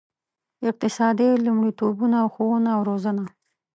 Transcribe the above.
اقتصادي لومړیتوبونه او ښوونه او روزنه.